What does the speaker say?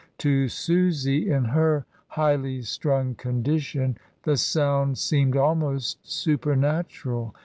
To Susy, in her highly strung condition, the sound seemed almost supernatural.